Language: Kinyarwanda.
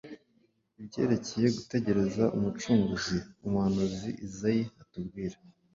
Ibyerekeye gutegereza Umucunguzi, umuhanuzi Izayi atubwira,